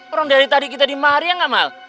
orang dari tadi kita dimari ya ngamal